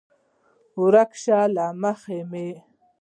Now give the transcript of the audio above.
ورک شه له مخې مې!